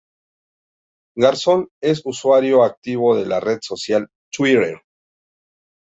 Garzón es usuario activo de la red social "Twitter".